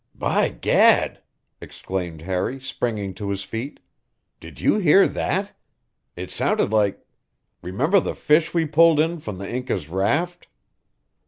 "By gad!" exclaimed Harry, springing to his feet. "Did you hear that? It sounded like remember the fish we pulled in from the Inca's raft?"